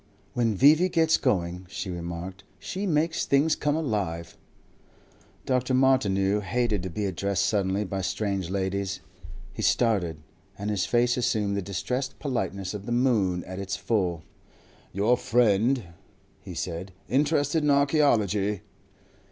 "When V.V. gets going," she remarked, "she makes things come alive." Dr. Martineau hated to be addressed suddenly by strange ladies. He started, and his face assumed the distressed politeness of the moon at its full. "Your friend," he said, "interested in archaeology?"